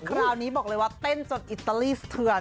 คราวนี้บอกเลยว่าเต้นจนอิตาลีสะเทือน